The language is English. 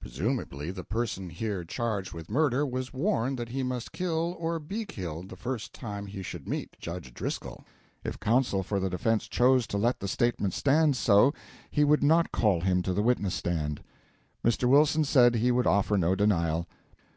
Presumably the person here charged with murder was warned that he must kill or be killed the first time he should meet Judge Driscoll. If counsel for the defense chose to let the statement stand so, he would not call him to the witness stand. Mr. Wilson said he would offer no denial.